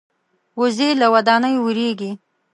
وزې له ودانیو وېرېږي